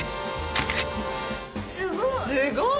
すごい！